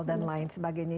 dan lain sebagainya